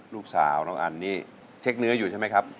ลูกสาวน้องอันนี่เช็คเนื้ออยู่ใช่ไหมครับ